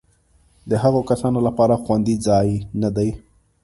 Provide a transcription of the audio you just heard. د هغو کسانو لپاره خوندي ځای نه دی.